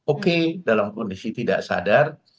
oke dalam kondisi tidak sadar